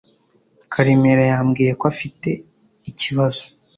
Karemera yambwiye ko afite ikibazo